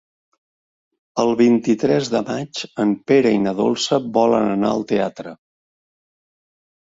El vint-i-tres de maig en Pere i na Dolça volen anar al teatre.